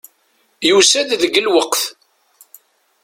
Yusa-d deg lweqt.